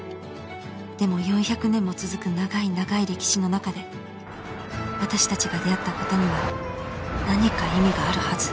［でも４００年も続く長い長い歴史の中で私たちが出会ったことには何か意味があるはず］